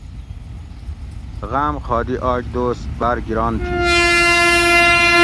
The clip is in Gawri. غام خادی آج دوس باۤر گران تھی